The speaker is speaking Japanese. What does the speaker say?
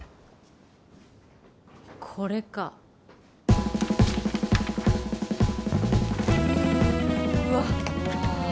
これかうわうわ